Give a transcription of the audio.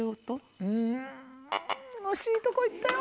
惜しいとこ行ったよ。